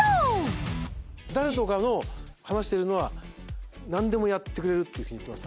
ダルとかの話してるのはなんでもやってくれるっていうふうに言ってました。